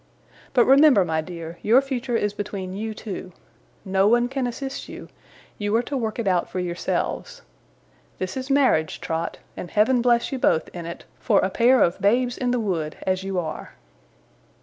But remember, my dear, your future is between you two. No one can assist you; you are to work it out for yourselves. This is marriage, Trot; and Heaven bless you both, in it, for a pair of babes in the wood as you are!